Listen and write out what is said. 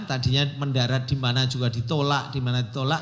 tadinya mendarat di mana juga ditolak di mana ditolak